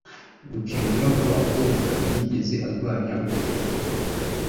gukebwa kw'abakobwa. ntiyigeze arwanya ubukwe bwa